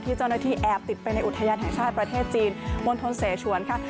เจ้าหน้าที่แอบติดไปในอุทยานแห่งชาติประเทศจีนมณฑลเสชวนค่ะ